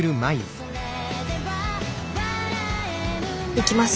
行きます。